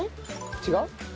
違う？